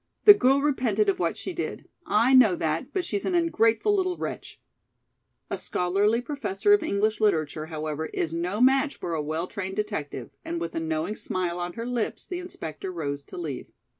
"The girl repented of what she did. I know that, but she's an ungrateful little wretch." A scholarly professor of English literature, however, is no match for a well trained detective, and with a knowing smile on her lips the inspector rose to leave.